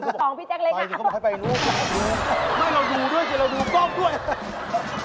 ไม่เราดูด้วยเดี๋ยวเราดูกล้องด้วย